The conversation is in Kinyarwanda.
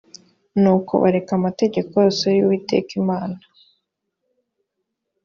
nuko bareka amategeko yose y uwiteka imana